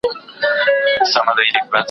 زه اوس د سبا لپاره د سوالونو جواب ورکوم!